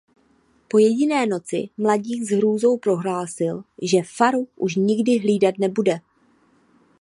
Po jediné noci mladík s hrůzou prohlásil že faru už nikdy hlídat nebude.